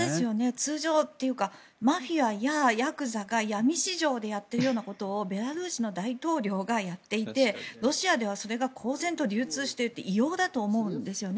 通常というかマフィアややくざが闇市場でやっているようなことをベラルーシの大統領がやっていてロシアでそれが公然と流通しているというのは異様だと思うんですね。